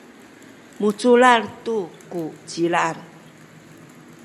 muculal tu ku cilal